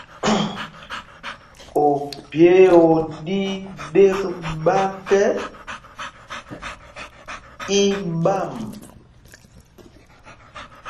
Ophyé o ɗí ɗēk ɓák ɛ, í ɓǎm.